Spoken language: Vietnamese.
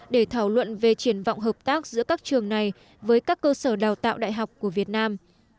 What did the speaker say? để thảo luận về triển vọng hợp tác giữa các trường này với các cơ sở đào tạo đại học của việt nam